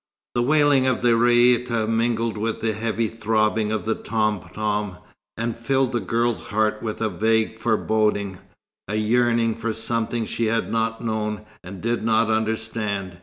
The wailing of the raïta mingled with the heavy throbbing of the tom tom, and filled the girl's heart with a vague foreboding, a yearning for something she had not known, and did not understand.